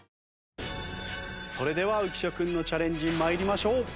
それでは浮所君のチャレンジ参りましょう。